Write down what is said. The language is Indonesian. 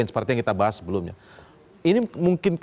satu satunya hampir yang enak